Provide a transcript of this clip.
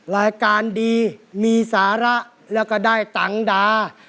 รายการดีมีสาระแล้วก็ได้ตังค์ดา